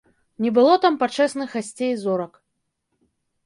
Не было там пачэсных гасцей-зорак.